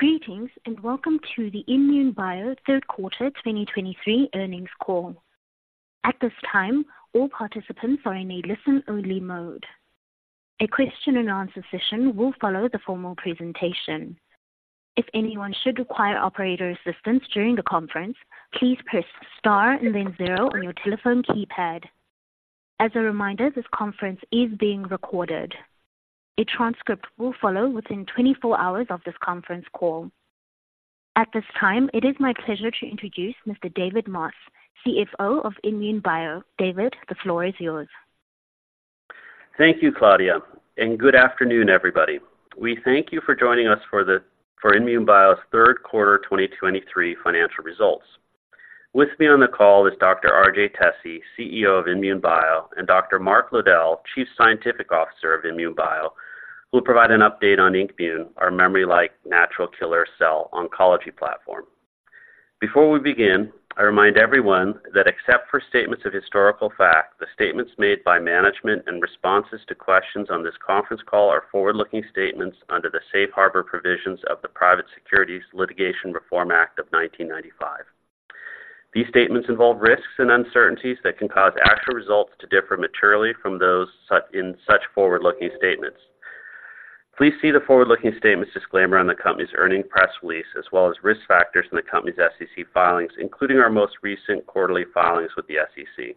Greetings, and welcome to the INmune Bio Q3 2023 Earnings Call. At this time, all participants are in a listen-only mode. A Q&A session will follow the formal presentation. If anyone should require operator assistance during the conference, please press star and then zero on your telephone keypad. As a reminder, this conference is being recorded. A transcript will follow within 24 hours of this conference call. At this time, it is my pleasure to introduce Mr. David Moss, CFO of INmune Bio. David, the floor is yours. Thank you, Claudia, and good afternoon, everybody. We thank you for joining us for INmune Bio's Q3 2023 financial results. With me on the call is Dr. R.J. Tesi, CEO of INmune Bio, and Dr. Mark Lowdell, Chief Scientific Officer of INmune Bio, who will provide an update on INKmune, our memory-like natural killer cell oncology platform. Before we begin, I remind everyone that except for statements of historical fact, the statements made by management and responses to questions on this Conference Call are forward-looking statements under the Safe Harbor provisions of the Private Securities Litigation Reform Act of 1995. These statements involve risks and uncertainties that can cause actual results to differ materially from those set in such forward-looking statements. Please see the forward-looking statements disclaimer on the company's earnings press release, as well as risk factors in the company's SEC filings, including our most recent quarterly filings with the SEC.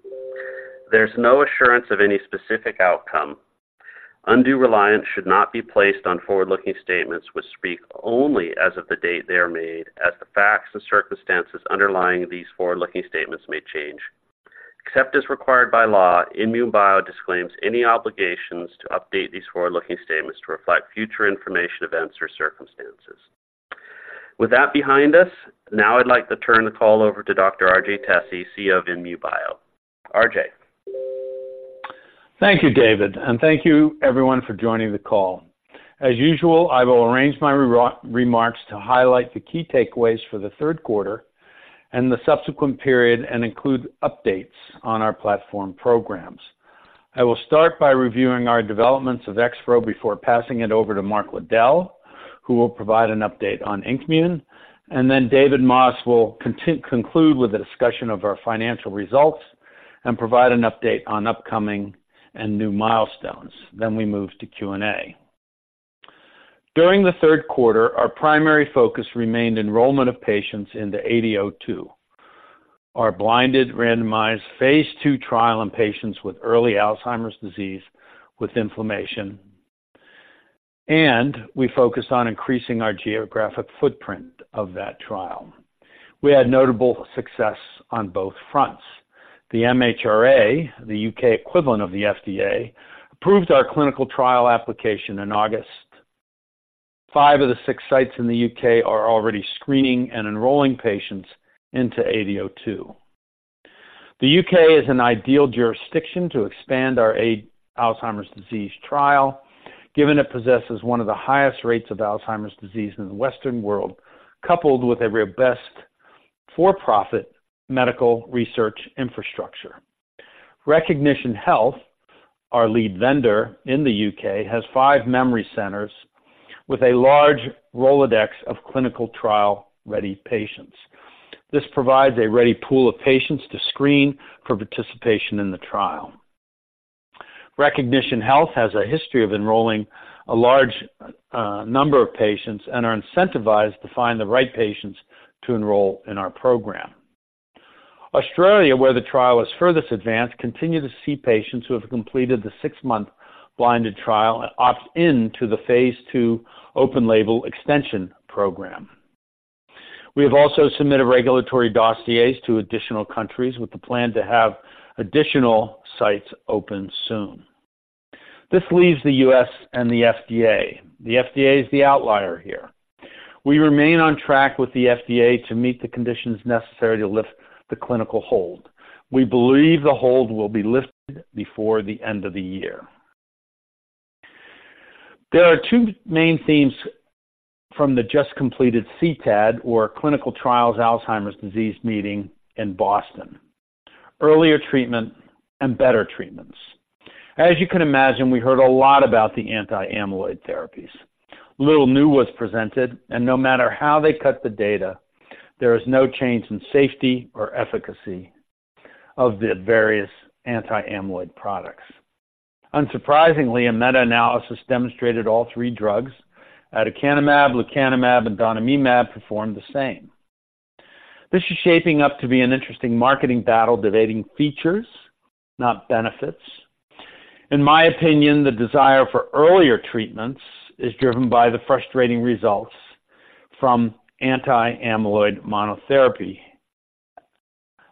There's no assurance of any specific outcome. Undue reliance should not be placed on forward-looking statements, which speak only as of the date they are made, as the facts and circumstances underlying these forward-looking statements may change. Except as required by law, INmune Bio disclaims any obligations to update these forward-looking statements to reflect future information, events, or circumstances. With that behind us, now I'd like to turn the call over to Dr. R.J. Tesi, CEO of INmune Bio. RJ. Thank you, David, and thank you everyone for joining the call. As usual, I will arrange my remarks to highlight the key takeaways for the Q3 and the subsequent period and include updates on our platform programs. I will start by reviewing our developments of XPro before passing it over to Mark Lowdell, who will provide an update on INKmune, and then David Moss will conclude with a discussion of our financial results and provide an update on upcoming and new milestones. Then we move to Q&A. During the Q3, our primary focus remained enrollment of patients into AD-02, our blinded, randomized phase II trial in patients with early Alzheimer's disease with inflammation, and we focused on increasing our geographic footprint of that trial. We had notable success on both fronts. The MHRA, the U.K. equivalent of the FDA, approved our clinical trial application in August. Five of the six sites in the U.K. are already screening and enrolling patients into AD-02. The U.K. is an ideal jurisdiction to expand our Alzheimer's disease trial, given it possesses one of the highest rates of Alzheimer's disease in the Western world, coupled with a robust for-profit medical research infrastructure. Recognition Health, our lead vendor in the U.K., has five memory centers with a large Rolodex of clinical trial-ready patients. This provides a ready pool of patients to screen for participation in the trial. Recognition Health has a history of enrolling a large number of patients and are incentivized to find the right patients to enroll in our program. Australia, where the trial is furthest advanced, continue to see patients who have completed the six-month blinded trial and opt in to the phase II open-label extension program. We have also submitted regulatory dossiers to additional countries with the plan to have additional sites open soon. This leaves the U.S. and the FDA. The FDA is the outlier here. We remain on track with the FDA to meet the conditions necessary to lift the clinical hold. We believe the hold will be lifted before the end of the year. There are two main themes from the just-completed CTAD, or Clinical Trials Alzheimer's Disease Meeting in Boston: earlier treatment and better treatments. As you can imagine, we heard a lot about the anti-amyloid therapies. Little new was presented, and no matter how they cut the data, there is no change in safety or efficacy of the various anti-amyloid products. Unsurprisingly, a meta-analysis demonstrated all three drugs, aducanumab, lecanemab, and donanemab, performed the same. This is shaping up to be an interesting marketing battle, debating features, not benefits. In my opinion, the desire for earlier treatments is driven by the frustrating results from anti-amyloid monotherapy.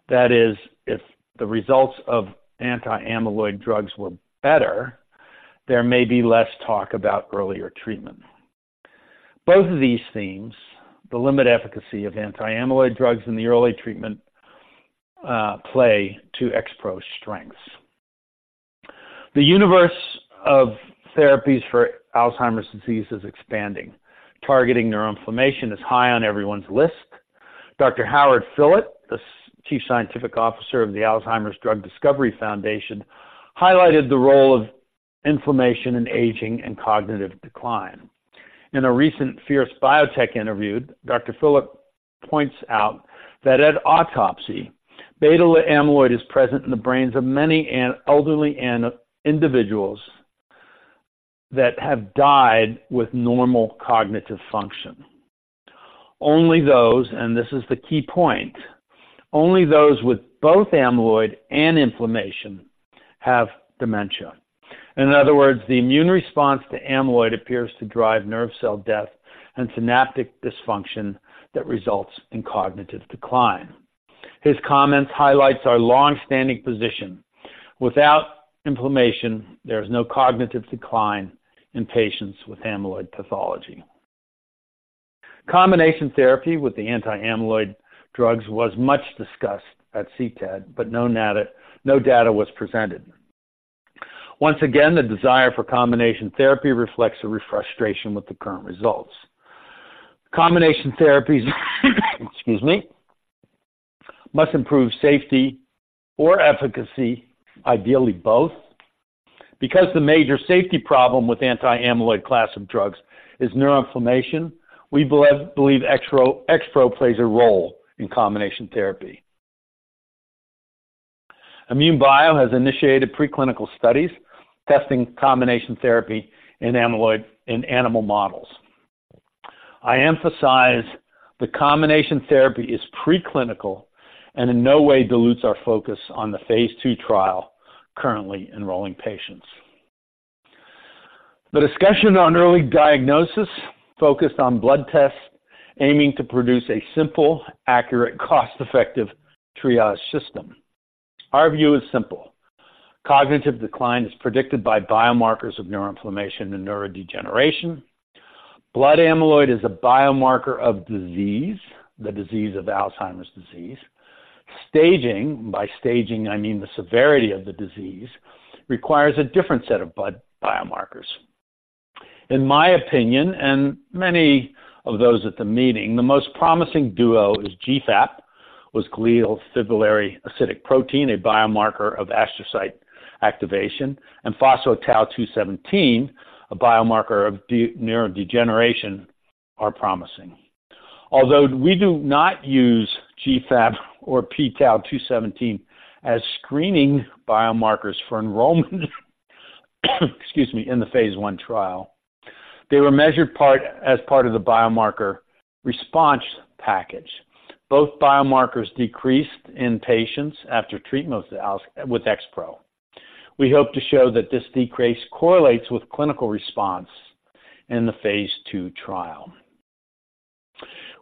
That is, if the results of anti-amyloid drugs were better, there may be less talk about earlier treatment. Both of these themes, the limited efficacy of anti-amyloid drugs in the earlier treatment, play to XPro's strengths. The universe of therapies for Alzheimer's disease is expanding. Targeting neuroinflammation is high on everyone's list. Dr. Howard Fillit, the Chief Scientific Officer of the Alzheimer's Drug Discovery Foundation, highlighted the role of inflammation in aging and cognitive decline. In a recent Fierce Biotech interview, Dr. Fillit points out that at autopsy, beta amyloid is present in the brains of many elderly individuals that have died with normal cognitive function. Only those, and this is the key point, only those with both amyloid and inflammation have dementia. In other words, the immune response to amyloid appears to drive nerve cell death and synaptic dysfunction that results in cognitive decline. His comments highlight our long-standing position. Without inflammation, there is no cognitive decline in patients with amyloid pathology. Combination therapy with the anti-amyloid drugs was much discussed at CTAD, but no data, no data was presented. Once again, the desire for combination therapy reflects a frustration with the current results. Combination therapies, excuse me, must improve safety or efficacy, ideally both. Because the major safety problem with anti-amyloid class of drugs is neuroinflammation, we believe XPro plays a role in combination therapy. INmune Bio has initiated preclinical studies testing combination therapy in amyloid in animal models. I emphasize the combination therapy is preclinical and in no way dilutes our focus on the phase II trial currently enrolling patients. The discussion on early diagnosis focused on blood tests aiming to produce a simple, accurate, cost-effective triage system. Our view is simple: cognitive decline is predicted by biomarkers of neuroinflammation and neurodegeneration. Blood amyloid is a biomarker of disease, the disease of Alzheimer's disease. Staging, by staging, I mean the severity of the disease, requires a different set of blood biomarkers. In my opinion, and many of those at the meeting, the most promising duo is GFAP, glial fibrillary acidic protein, a biomarker of astrocyte activation, and phospho-tau 217, a biomarker of neurodegeneration, are promising. Although we do not use GFAP or p-tau 217 as screening biomarkers for enrollment, excuse me, in the phase I trial, they were measured as part of the biomarker response package. Both biomarkers decreased in patients after treatment with XPro. We hope to show that this decrease correlates with clinical response in the phase II trial.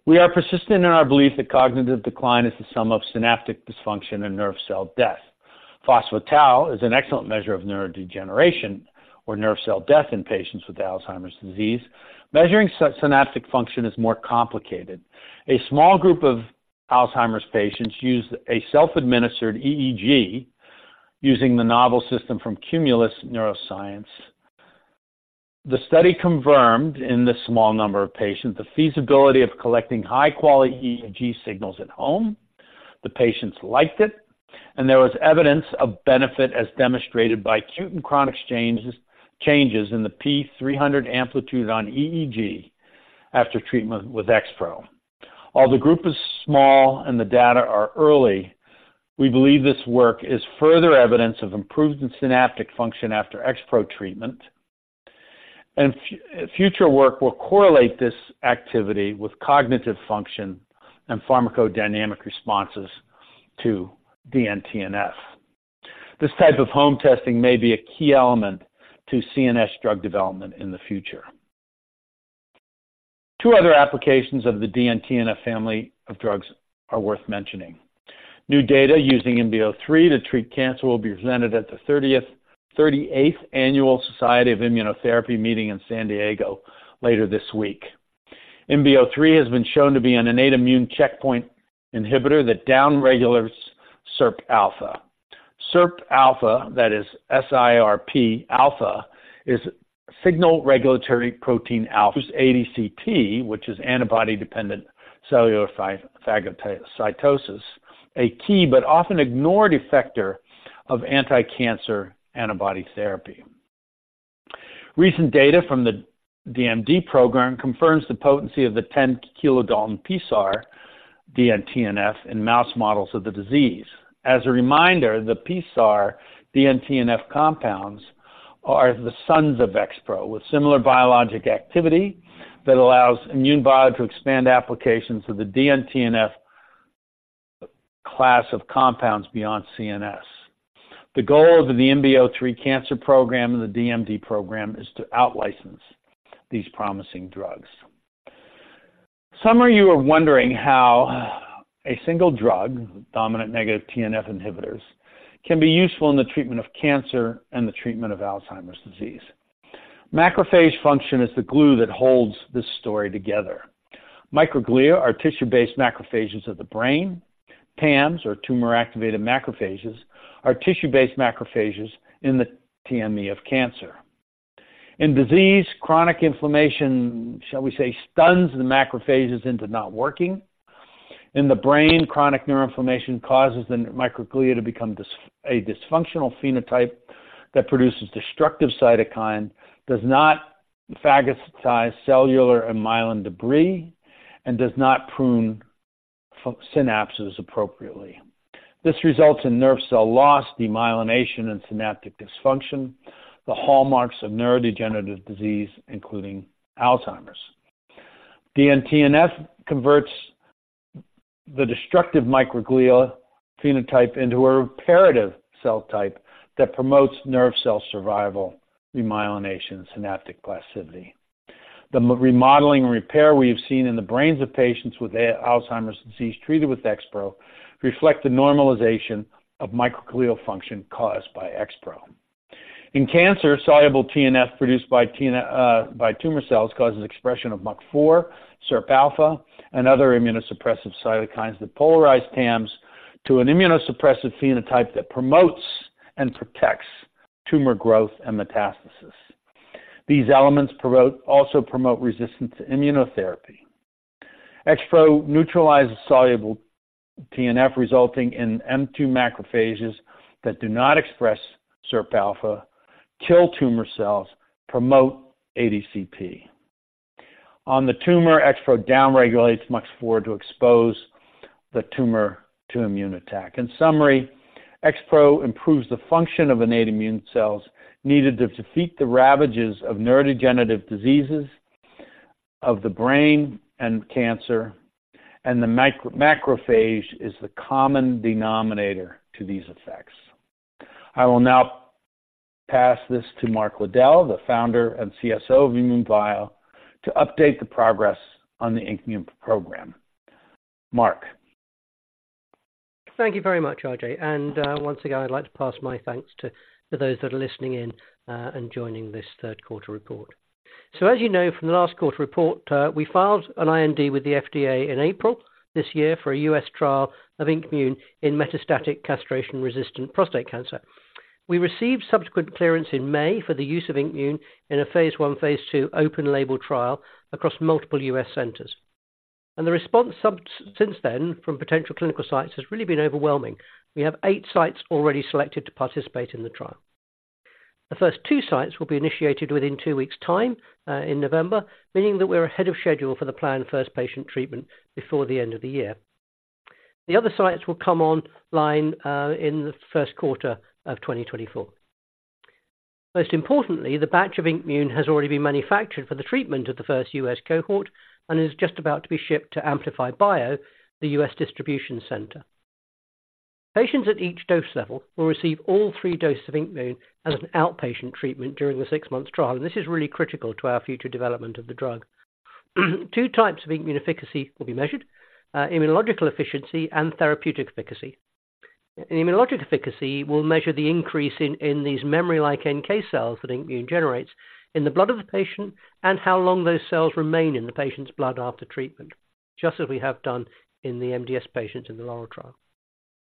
We are persistent in our belief that cognitive decline is the sum of synaptic dysfunction and nerve cell death. Phospho-tau is an excellent measure of neurodegeneration or nerve cell death in patients with Alzheimer's disease. Measuring synaptic function is more complicated. A small group of Alzheimer's patients used a self-administered EEG using the novel system from Cumulus Neuroscience. The study confirmed, in this small number of patients, the feasibility of collecting high-quality EEG signals at home. The patients liked it, and there was evidence of benefit as demonstrated by acute and chronic changes in the P300 amplitude on EEG after treatment with XPro. Although the group is small and the data are early, we believe this work is further evidence of improved synaptic function after XPro treatment, and future work will correlate this activity with cognitive function and pharmacodynamic responses to the DN-TNF. This type of home testing may be a key element to CNS drug development in the future. Two other applications of the DN-TNF family of drugs are worth mentioning. New data using INB03 to treat cancer will be presented at the 38th Annual Society of Immunotherapy meeting in San Diego later this week. INB03 has been shown to be an innate immune checkpoint inhibitor that down-regulates SIRPα. SIRPα, that is S-I-R-P-α, is signal regulatory protein alpha, ADCP, which is antibody-dependent cellular phagocytosis, a key but often ignored effector of anticancer antibody therapy. Recent data from the DMD program confirms the potency of the 10-kilodalton PSAR DN-TNF in mouse models of the disease. As a reminder, the PSAR DN-TNF compounds are the sons of XPro, with similar biologic activity that allows INmune Bio to expand applications of the DN-TNF class of compounds beyond CNS. The goal of the INB03 cancer program and the DMD program is to outlicense these promising drugs. Some of you are wondering how a single drug, dominant negative TNF inhibitors, can be useful in the treatment of cancer and the treatment of Alzheimer's disease. Macrophage function is the glue that holds this story together. Microglia are tissue-based macrophages of the brain. TAMs, or tumor-associated macrophages, are tissue-based macrophages in the TME of cancer. In disease, chronic inflammation, shall we say, stuns the macrophages into not working. In the brain, chronic neuroinflammation causes the microglia to become a dysfunctional phenotype that produces destructive cytokine, does not phagocytize cellular and myelin debris, and does not prune synapses appropriately. This results in nerve cell loss, demyelination, and synaptic dysfunction, the hallmarks of neurodegenerative disease, including Alzheimer's. DN-TNF converts the destructive microglia phenotype into a reparative cell type that promotes nerve cell survival, remyelination, synaptic plasticity. The remodeling and repair we have seen in the brains of patients with Alzheimer's disease treated with XPro reflect the normalization of microglial function caused by XPro. In cancer, soluble TNF produced by TNF, by tumor cells causes expression of MUC4, SIRPα, and other immunosuppressive cytokines that polarize TAMs to an immunosuppressive phenotype that promotes and protects tumor growth and metastasis. These elements promote also promote resistance to immunotherapy. XPro neutralizes soluble TNF, resulting in M2 macrophages that do not express SIRPα, kill tumor cells, promote ADCP. On the tumor, XPro down-regulates MUC4 to expose the tumor to immune attack. In summary, XPro improves the function of innate immune cells needed to defeat the ravages of neurodegenerative diseases of the brain and cancer, and the micro macrophage is the common denominator to these effects. I will now pass this to Mark Lowdell, the founder and CSO of INmune Bio, to update the progress on the INKmune program. Mark? Thank you very much, RJ. And, once again, I'd like to pass my thanks to, to those that are listening in, and joining this Q3 report. So as you know from the last quarter report, we filed an IND with the FDA in April this year for a U.S. trial of INKmune in metastatic castration-resistant prostate cancer. We received subsequent clearance in May for the use of INKmune in a phase I, phase II open-label trial across multiple U.S. centers. And the response since then from potential clinical sites has really been overwhelming. We have eight sites already selected to participate in the trial. The first two sites will be initiated within two weeks' time, in November, meaning that we're ahead of schedule for the planned first patient treatment before the end of the year. The other sites will come online in Q1 of 2024. Most importantly, the batch of INKmune has already been manufactured for the treatment of the first US cohort and is just about to be shipped to AmplifyBio, the US distribution center. Patients at each dose level will receive all three doses of INKmune as an outpatient treatment during the six-month trial, and this is really critical to our future development of the drug. Two types of INKmune efficacy will be measured: immunological efficiency and therapeutic efficacy. Immunologic efficacy will measure the increase in, in these memory-like NK cells that INKmune generates in the blood of the patient and how long those cells remain in the patient's blood after treatment, just as we have done in the MDS patients in the Laurel Trial.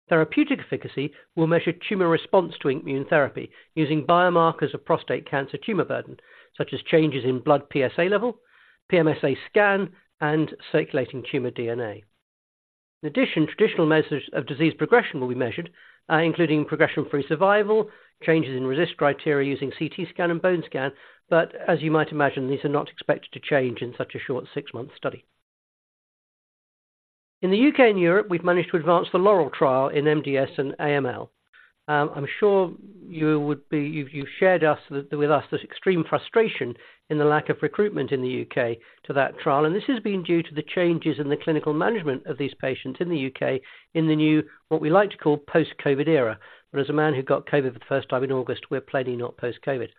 Therapeutic efficacy will measure tumor response to INKmune therapy using biomarkers of prostate cancer tumor burden, such as changes in blood PSA level, PSMA scan, and circulating tumor DNA. In addition, traditional measures of disease progression will be measured, including progression-free survival, changes in RECIST criteria using CT scan and bone scan, but as you might imagine, these are not expected to change in such a short six-month study. In the UK and Europe, we've managed to advance the Laurel trial in MDS and AML. I'm sure you would be... You've shared with us the extreme frustration in the lack of recruitment in the UK to that trial, and this has been due to the changes in the clinical management of these patients in the UK in the new, what we like to call post-COVID era. But as a man who got COVID for the first time in August, we're plainly not post-COVID.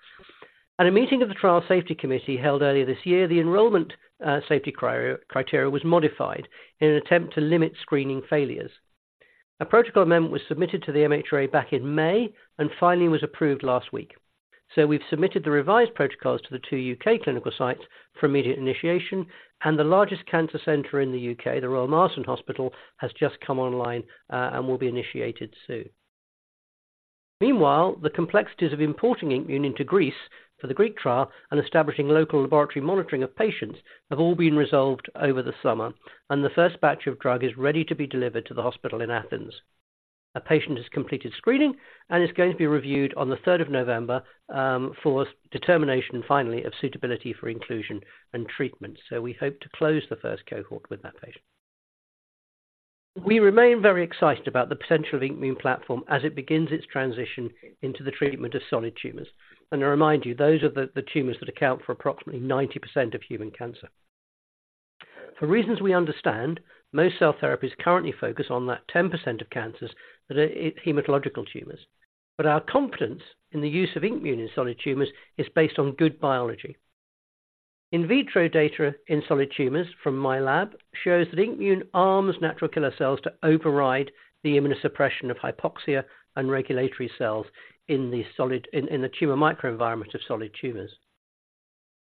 At a meeting of the Trial Safety Committee held earlier this year, the enrollment, safety criteria was modified in an attempt to limit screening failures. A protocol amendment was submitted to the MHRA back in May and finally was approved last week. So we've submitted the revised protocols to the two UK clinical sites for immediate initiation, and the largest cancer center in the UK, the Royal Marsden Hospital, has just come online, and will be initiated soon. Meanwhile, the complexities of importing INKmune into Greece for the Greek trial and establishing local laboratory monitoring of patients have all been resolved over the summer, and the first batch of drug is ready to be delivered to the hospital in Athens. A patient has completed screening and is going to be reviewed on the third of November for determination, finally, of suitability for inclusion and treatment. So we hope to close the first cohort with that patient. We remain very excited about the potential of the INKmune platform as it begins its transition into the treatment of solid tumors. I remind you, those are the tumors that account for approximately 90% of human cancer. For reasons we understand, most cell therapies currently focus on that 10% of cancers that are hematological tumors. But our confidence in the use of INKmune in solid tumors is based on good biology. In vitro data in solid tumors from my lab shows that INKmune arms natural killer cells to override the immunosuppression of hypoxia and regulatory cells in the solid tumor microenvironment of solid tumors.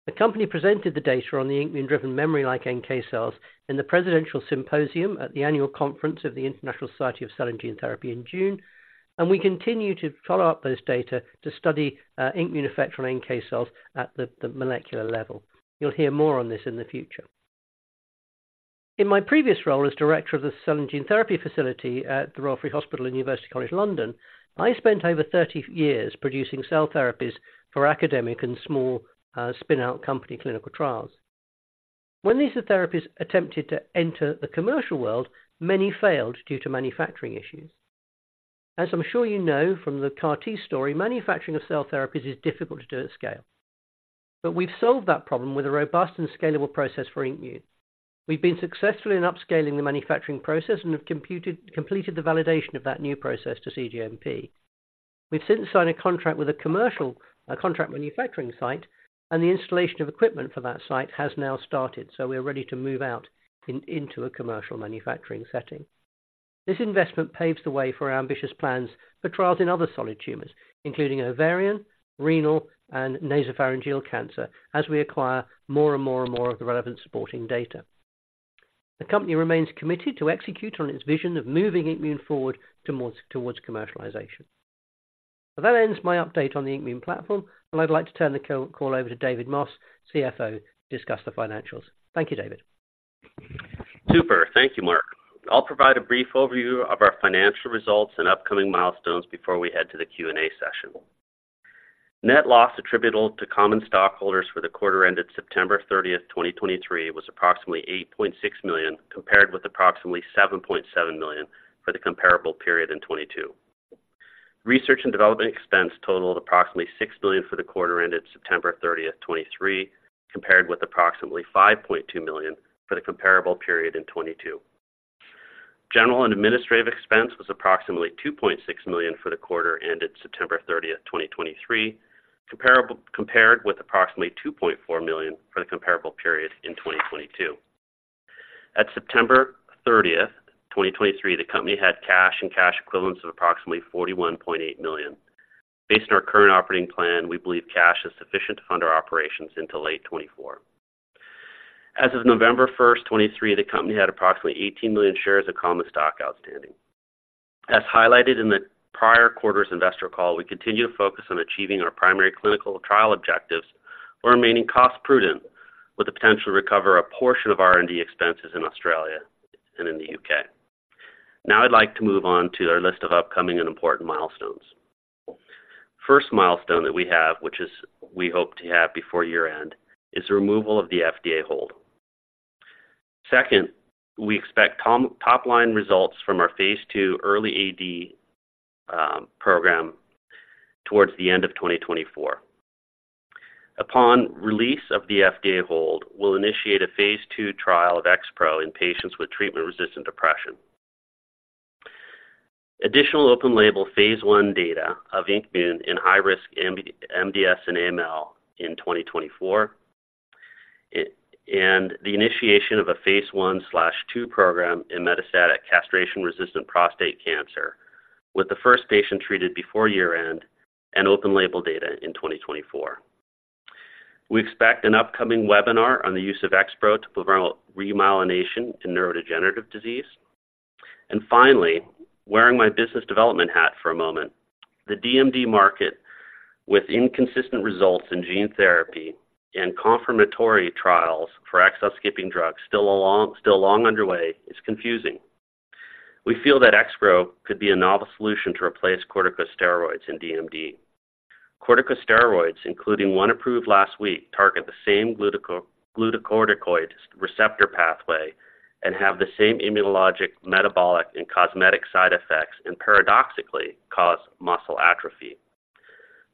The company presented the data on the INKmune-driven memory-like NK cells in the Presidential Symposium at the annual conference of the International Society for Cell & Gene Therapy in June, and we continue to follow up those data to study INKmune effect on NK cells at the molecular level. You'll hear more on this in the future. In my previous role as director of the Cell and Gene Therapy facility at the Royal Free Hospital in University College London, I spent over 30 years producing cell therapies for academic and small spin-out company clinical trials. When these therapies attempted to enter the commercial world, many failed due to manufacturing issues. As I'm sure you know from the CAR-T story, manufacturing of cell therapies is difficult to do at scale. But we've solved that problem with a robust and scalable process for INKmune. We've been successful in upscaling the manufacturing process and have completed the validation of that new process to cGMP. We've since signed a contract with a contract manufacturing site, and the installation of equipment for that site has now started, so we're ready to move into a commercial manufacturing setting. This investment paves the way for our ambitious plans for trials in other solid tumors, including ovarian, renal, and nasopharyngeal cancer, as we acquire more and more of the relevant supporting data. The company remains committed to execute on its vision of moving INKmune forward towards commercialization. That ends my update on the INKmune platform, and I'd like to turn the call over to David Moss, CFO, to discuss the financials. Thank you, David. Super. Thank you, Mark. I'll provide a brief overview of our financial results and upcoming milestones before we head to the Q&A session. Net loss attributable to common stockholders for the quarter ended September 30, 2023, was approximately $8.6 million, compared with approximately $7.7 million for the comparable period in 2022. Research and development expense totaled approximately $6 million for the quarter ended September 30, 2023, compared with approximately $5.2 million for the comparable period in 2022. General and administrative expense was approximately $2.6 million for the quarter ended September 30, 2023, compared with approximately $2.4 million for the comparable period in 2022. At September 30, 2023, the company had cash and cash equivalents of approximately $41.8 million. Based on our current operating plan, we believe cash is sufficient to fund our operations until late 2024. As of November 1, 2023, the company had approximately 18 million shares of common stock outstanding. As highlighted in the prior quarter's investor call, we continue to focus on achieving our primary clinical trial objectives, while remaining cost-prudent, with the potential to recover a portion of our R&D expenses in Australia and in the UK. Now I'd like to move on to our list of upcoming and important milestones. First milestone that we have, which is we hope to have before year-end, is the removal of the FDA hold. Second, we expect top-line results from our phase II early AD program towards the end of 2024. Upon release of the FDA hold, we'll initiate a phase II trial of XPro in patients with treatment-resistant depression. Additional open-label phase I data of INKmune in high-risk MDS and AML in 2024. It, and the initiation of a phase I/II program in metastatic castration-resistant prostate cancer, with the first patient treated before year-end and open-label data in 2024. We expect an upcoming webinar on the use of XPro to promote remyelination in neurodegenerative disease. And finally, wearing my business development hat for a moment, the DMD market with inconsistent results in gene therapy and confirmatory trials for exon-skipping drugs, still along, still long underway, is confusing. We feel that XPro could be a novel solution to replace corticosteroids in DMD. Corticosteroids, including one approved last week, target the same glucocorticoid receptor pathway and have the same immunologic, metabolic, and cosmetic side effects, and paradoxically, cause muscle atrophy.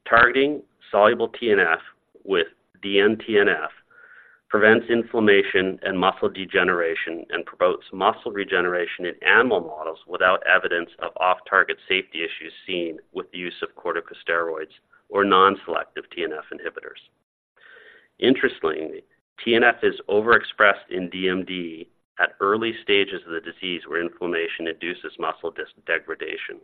Targeting soluble TNF with DN-TNF prevents inflammation and muscle degeneration, and promotes muscle regeneration in animal models without evidence of off-target safety issues seen with the use of corticosteroids or non-selective TNF inhibitors. Interestingly, TNF is overexpressed in DMD at early stages of the disease, where inflammation induces muscle degradation.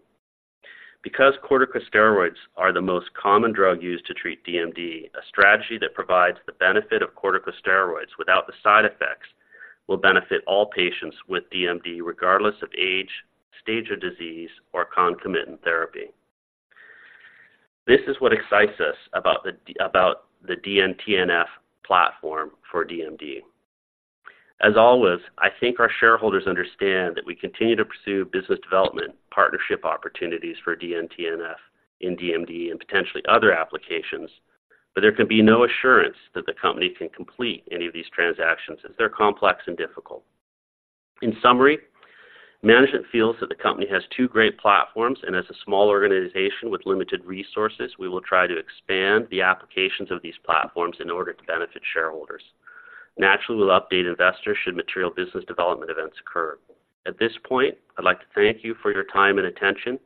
Because corticosteroids are the most common drug used to treat DMD, a strategy that provides the benefit of corticosteroids without the side effects will benefit all patients with DMD, regardless of age, stage of disease, or concomitant therapy. This is what excites us about the DN-TNF platform for DMD. As always, I think our shareholders understand that we continue to pursue business development partnership opportunities for DN-TNF in DMD and potentially other applications, but there can be no assurance that the company can complete any of these transactions, as they're complex and difficult. In summary, management feels that the company has two great platforms and as a small organization with limited resources, we will try to expand the applications of these platforms in order to benefit shareholders. Naturally, we'll update investors should material business development events occur. At this point, I'd like to thank you for your time and attention.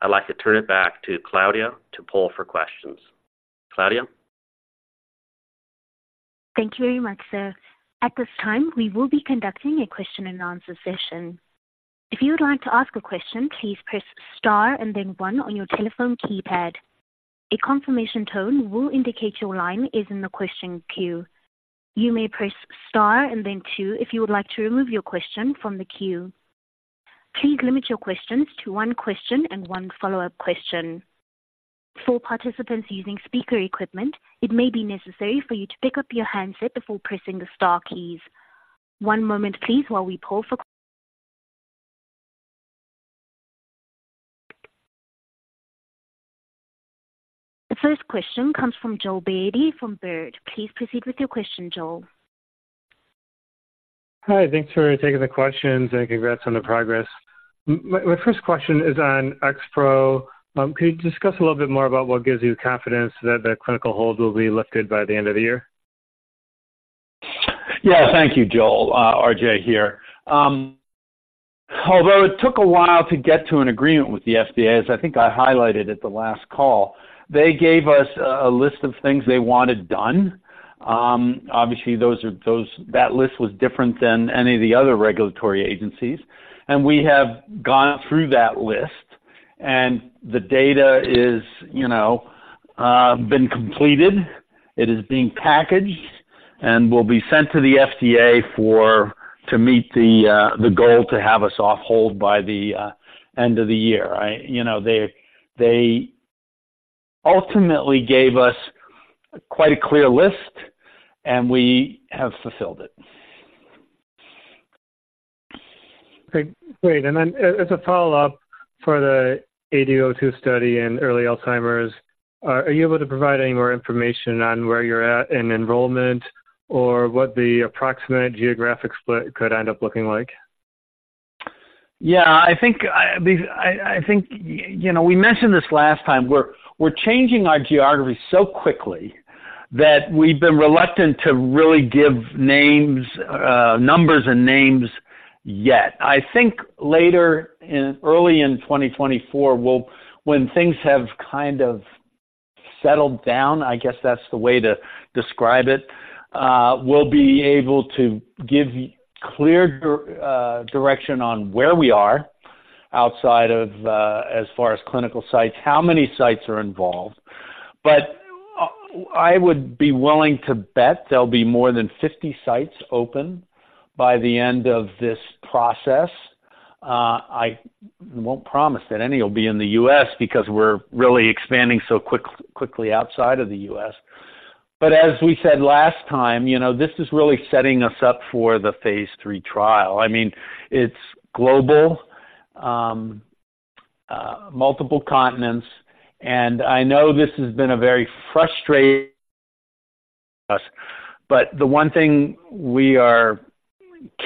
I'd like to turn it back to Claudia to poll for questions. Claudia? Thank you very much, sir. At this time, we will be conducting a Q&A session.... If you would like to ask a question, please press star and then one on your telephone keypad. A confirmation tone will indicate your line is in the question queue. You may press star and then two if you would like to remove your question from the queue. Please limit your questions to one question and one follow-up question. For participants using speaker equipment, it may be necessary for you to pick up your handset before pressing the star keys. One moment, please, while we poll for questions. The first question comes from Joel Beatty from Baird. Please proceed with your question, Joel. Hi, thanks for taking the questions, and congrats on the progress. My first question is on XPro. Could you discuss a little bit more about what gives you confidence that the clinical hold will be lifted by the end of the year? Yeah, thank you, Joel. RJ here. Although it took a while to get to an agreement with the FDA, as I think I highlighted at the last call, they gave us a list of things they wanted done. Obviously, that list was different than any of the other regulatory agencies, and we have gone through that list, and the data is, you know, been completed. It is being packaged and will be sent to the FDA to meet the goal to have us off hold by the end of the year. You know, they ultimately gave us quite a clear list, and we have fulfilled it. Great. Great, and then, as a follow-up for the AD-02 study in early Alzheimer's, are you able to provide any more information on where you're at in enrollment or what the approximate geographic split could end up looking like? Yeah, I think you know, we mentioned this last time. We're changing our geography so quickly that we've been reluctant to really give names, numbers and names yet. I think early in 2024, we'll. When things have kind of settled down, I guess that's the way to describe it, we'll be able to give clear direction on where we are outside of, as far as clinical sites, how many sites are involved. But I would be willing to bet there'll be more than 50 sites open by the end of this process. I won't promise that any will be in the U.S. because we're really expanding so quickly outside of the U.S. But as we said last time, you know, this is really setting us up for the phase II trial. I mean, it's global, multiple continents, and I know this has been a very frustrating us, but the one thing we are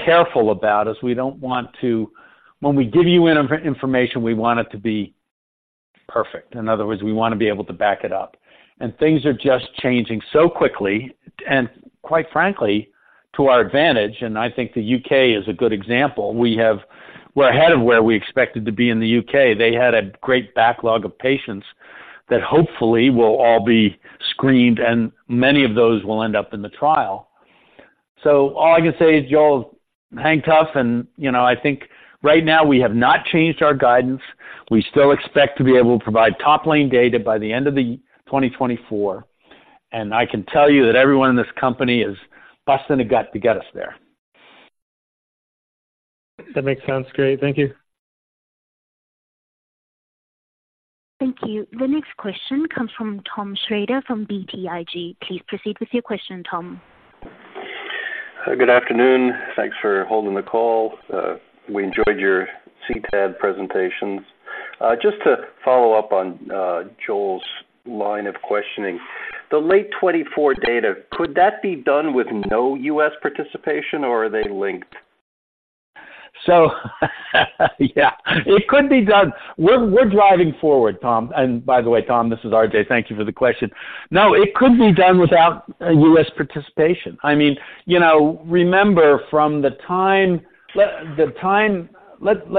careful about is we don't want to-- When we give you information, we want it to be perfect. In other words, we want to be able to back it up. And things are just changing so quickly, and quite frankly, to our advantage, and I think the UK is a good example. We have-- We're ahead of where we expected to be in the UK. They had a great backlog of patients that hopefully will all be screened, and many of those will end up in the trial. So all I can say is, Joel, hang tough, and, you know, I think right now we have not changed our guidance. We still expect to be able to provide top-line data by the end of 2024, and I can tell you that everyone in this company is busting a gut to get us there. That makes sense. Great. Thank you. Thank you. The next question comes from Tom Shrader from BTIG. Please proceed with your question, Tom. Good afternoon. Thanks for holding the call. We enjoyed your CTAD presentation. Just to follow up on Joel's line of questioning, the late 2024 data, could that be done with no U.S. participation, or are they linked? So yeah, it could be done. We're driving forward, Tom. And by the way, Tom, this is RJ. Thank you for the question. No, it could be done without a U.S. participation. I mean, you know, remember from the time. Let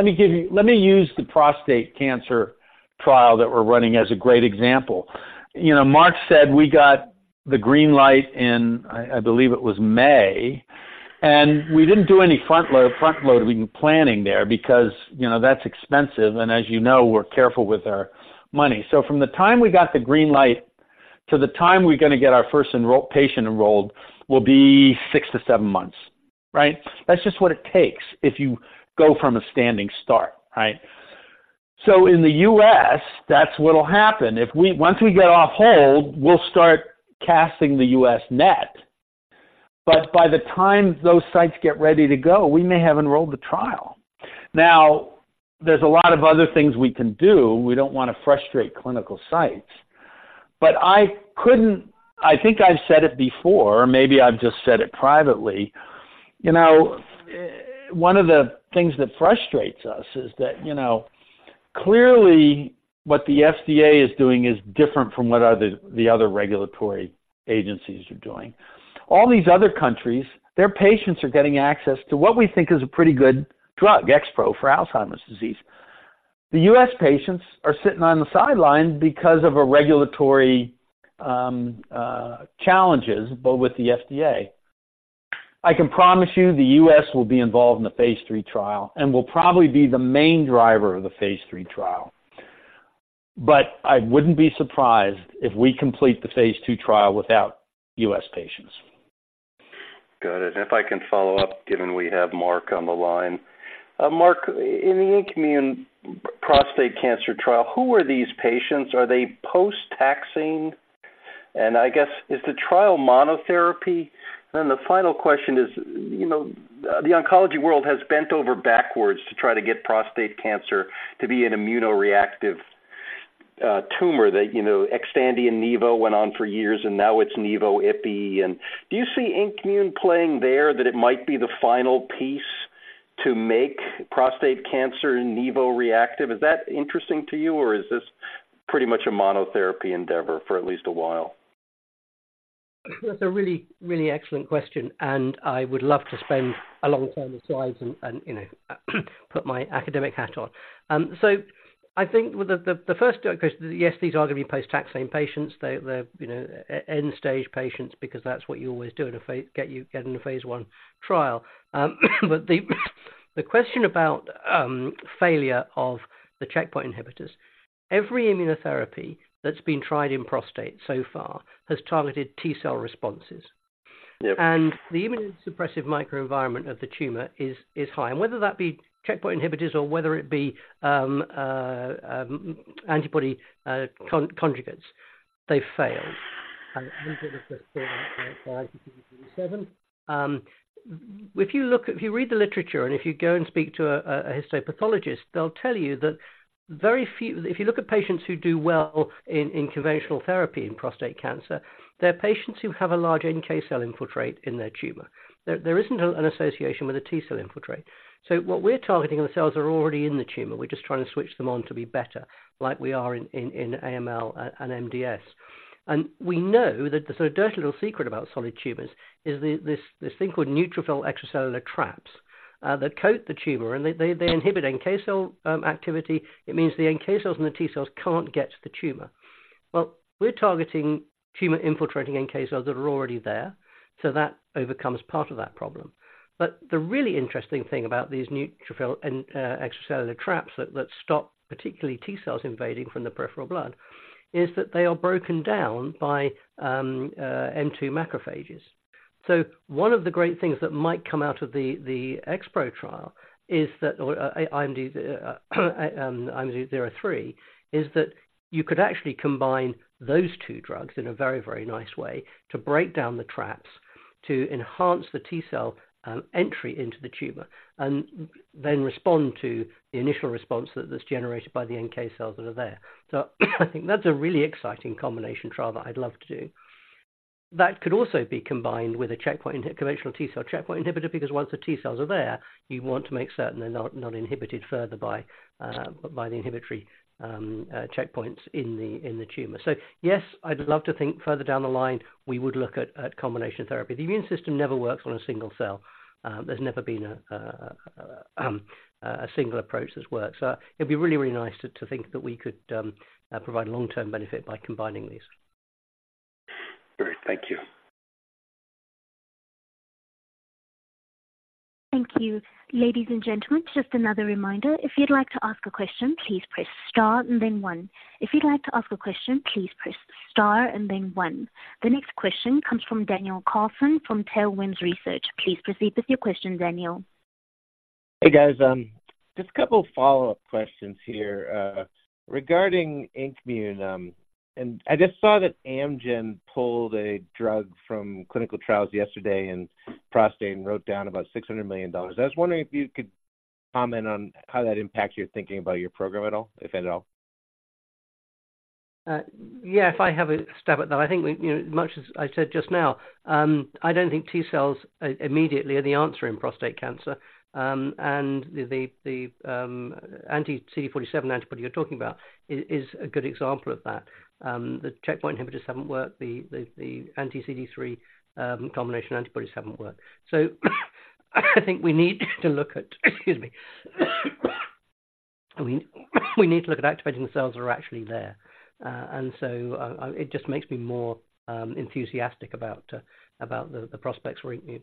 me give you - let me use the prostate cancer trial that we're running as a great example. You know, Mark said we got the green light in, I believe it was May, and we didn't do any front-loading planning there because, you know, that's expensive, and as you know, we're careful with our money. So from the time we got the green light to the time we're gonna get our first enrolled patient, will be six to seven months, right? That's just what it takes if you go from a standing start, right? So in the US, that's what will happen. Once we get off hold, we'll start casting the US net. But by the time those sites get ready to go, we may have enrolled the trial. Now, there's a lot of other things we can do. We don't want to frustrate clinical sites, I think I've said it before, maybe I've just said it privately, you know, one of the things that frustrates us is that, you know, clearly what the FDA is doing is different from what other, the other regulatory agencies are doing. All these other countries, their patients are getting access to what we think is a pretty good drug, X-Pro for Alzheimer's disease.... The U.S. patients are sitting on the sidelines because of a regulatory challenges, but with the FDA. I can promise you the U.S. will be involved in the phase 3 trial and will probably be the main driver of the phase 3 trial. But I wouldn't be surprised if we complete the phase II trial without U.S. patients. Got it. And if I can follow up, given we have Mark on the line. Mark, in the INKmune prostate cancer trial, who are these patients? Are they post-taxane? And I guess, is the trial monotherapy? Then the final question is, you know, the oncology world has bent over backwards to try to get prostate cancer to be an immunoreactive, tumor that, you know, Xtandi and Nivo went on for years, and now it's Nivo, Ipi. Do you see INKmune playing there, that it might be the final piece to make prostate cancer nivo reactive? Is that interesting to you, or is this pretty much a monotherapy endeavor for at least a while? That's a really, really excellent question, and I would love to spend a long time aside and, you know, put my academic hat on. So I think with the first question, yes, these are going to be post-taxane patients. They're, you know, end-stage patients because that's what you always do to get you in a phase I trial. But the question about failure of the checkpoint inhibitors, every immunotherapy that's been tried in prostate so far has targeted T cell responses. Yep. The immunosuppressive microenvironment of the tumor is high. And whether that be checkpoint inhibitors or whether it be antibody conjugates, they fail. If you look... If you read the literature, and if you go and speak to a histopathologist, they'll tell you that very few. If you look at patients who do well in conventional therapy in prostate cancer, they're patients who have a large NK cell infiltrate in their tumor. There isn't an association with a T cell infiltrate. So what we're targeting are the cells already in the tumor. We're just trying to switch them on to be better like we are in AML and MDS. And we know that the so dirty little secret about solid tumors is this thing called neutrophil extracellular traps that coat the tumor, and they inhibit NK cell activity. It means the NK cells and the T cells can't get to the tumor. Well, we're targeting tumor-infiltrating NK cells that are already there, so that overcomes part of that problem. But the really interesting thing about these neutrophil extracellular traps that stop particularly T cells invading from the peripheral blood is that they are broken down by M2 macrophages. So one of the great things that might come out of the XPro trial is that, or INKmune, INB03, is that you could actually combine those two drugs in a very, very nice way to break down the traps, to enhance the T cell entry into the tumor, and then respond to the initial response that is generated by the NK cells that are there. So I think that's a really exciting combination trial that I'd love to do. That could also be combined with a conventional T cell checkpoint inhibitor, because once the T cells are there, you want to make certain they're not inhibited further by the inhibitory checkpoints in the tumor. So yes, I'd love to think further down the line, we would look at combination therapy. The immune system never works on a single cell. There's never been a single approach that's worked. So it'd be really, really nice to think that we could provide long-term benefit by combining these. Great. Thank you. Thank you. Ladies and gentlemen, just another reminder, if you'd like to ask a question, please press star and then one. If you'd like to ask a question, please press star and then one. The next question comes from Daniel Carlson from Tailwind Research. Please proceed with your question, Daniel. Hey, guys. Just a couple of follow-up questions here, regarding INKmune, and I just saw that Amgen pulled a drug from clinical trials yesterday in prostate and wrote down about $600 million. I was wondering if you could comment on how that impacts your thinking about your program at all, if at all? Yeah, if I have a stab at that, I think, you know, as much as I said just now, I don't think T cells immediately are the answer in prostate cancer, and the anti-CD47 antibody you're talking about is a good example of that. The checkpoint inhibitors haven't worked, the anti-CD3 combination antibodies haven't worked. So I think we need to look at... Excuse me. We need to look at activating the cells that are actually there. And so, it just makes me more enthusiastic about the prospects for INKmune.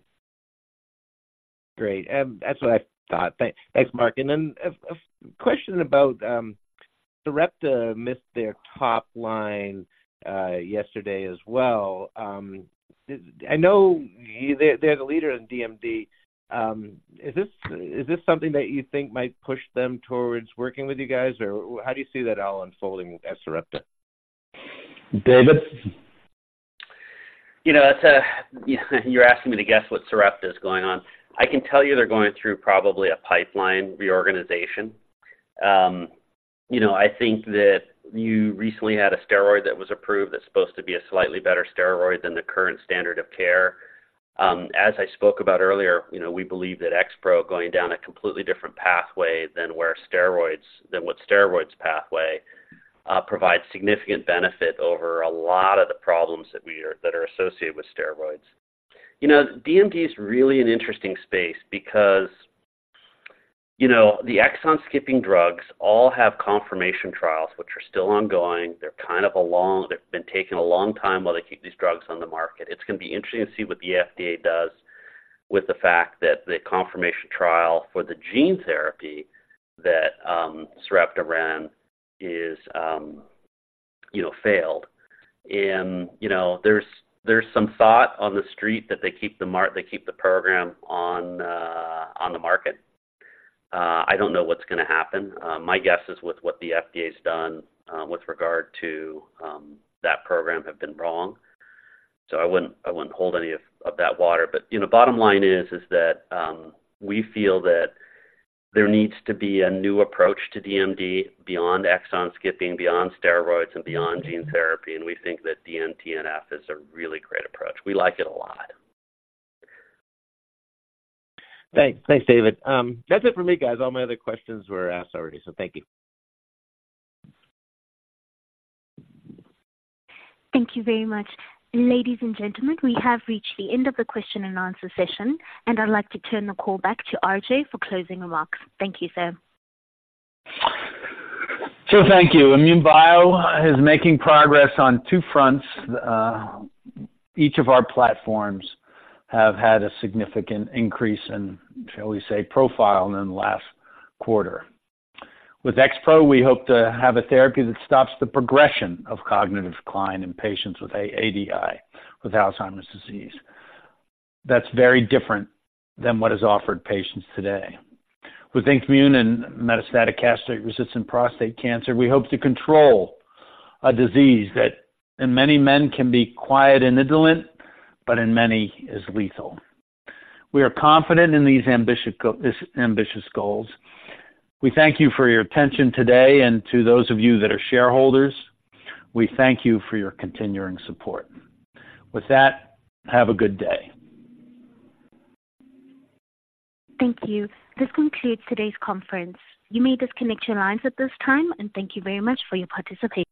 Great. That's what I thought. Thanks, thanks, Mark. And then a question about, Sarepta missed their top line yesterday as well. I know they're the leader in DMD. Is this something that you think might push them towards working with you guys, or how do you see that all unfolding at Sarepta? David? You know, that's a... You're asking me to guess what Sarepta is going on. I can tell you they're going through probably a pipeline reorganization. You know, I think that you recently had a steroid that was approved that's supposed to be a slightly better steroid than the current standard of care. As I spoke about earlier, you know, we believe that XPro going down a completely different pathway than where steroids, than with steroids pathway.... provide significant benefit over a lot of the problems that we are, that are associated with steroids. You know, DMD is really an interesting space because, you know, the exon-skipping drugs all have confirmation trials, which are still ongoing. They're kind of a long-- They've been taking a long time while they keep these drugs on the market. It's going to be interesting to see what the FDA does with the fact that the confirmation trial for the gene therapy that, Sarepta ran is, you know, failed. And, you know, there's, there's some thought on the street that they keep the mar- they keep the program on, on the market. I don't know what's gonna happen. My guess is with what the FDA's done with regard to that program have been wrong, so I wouldn't hold any of that water. But you know, bottom line is that we feel that there needs to be a new approach to DMD beyond exon skipping, beyond steroids, and beyond gene therapy. And we think that DN-TNF is a really great approach. We like it a lot. Thanks. Thanks, David. That's it for me, guys. All my other questions were asked already, so thank you. Thank you very much. Ladies and gentlemen, we have reached the end of the Q&A session, and I'd like to turn the call back to RJ for closing remarks. Thank you, sir. So thank you. INmune Bio is making progress on two fronts. Each of our platforms have had a significant increase in, shall we say, profile in the last quarter. With XPro, we hope to have a therapy that stops the progression of cognitive decline in patients with AD, with Alzheimer's disease. That's very different than what is offered patients today. With INKmune and metastatic castration-resistant prostate cancer, we hope to control a disease that in many men can be quiet and indolent, but in many is lethal. We are confident in these ambitious goals. We thank you for your attention today, and to those of you that are shareholders, we thank you for your continuing support. With that, have a good day. Thank you. This concludes today's conference. You may disconnect your lines at this time, and thank you very much for your participation.